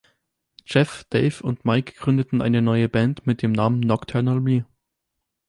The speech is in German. Jeff, Dave und Mike gründeten eine neue Band mit Namen Nocturnal Me.